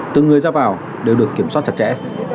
từng người ra vào đều được kiểm soát chặt chẽ